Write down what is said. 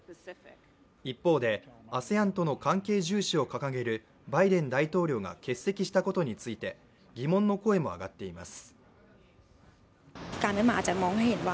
一方で、ＡＳＥＡＮとの関係重視を掲げるバイデン大統領が欠席したことについて疑問の声も上がっています。